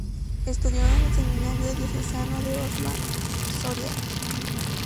Estudió en el seminario diocesano de Osma-Soria.